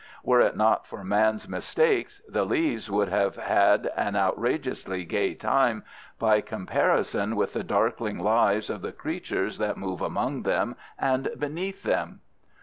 Were it not for man's mistakes the leaves would have had an outrageously gay time by comparison with the darkling lives of the creatures that move among them and beneath them.